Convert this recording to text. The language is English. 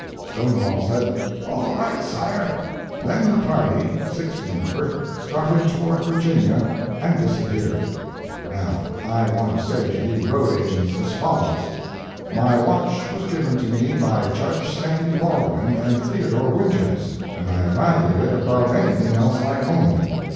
Stonewall said, "All right, sire." Then the party (six in number) started toward Virginia and disappeared. Now, I want to say to you road agents as follows: My watch was given to me by Judge Sandy Baldwin and Theodore Winters, and I value it above anything else I own.